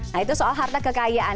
nah itu soal harta kekayaan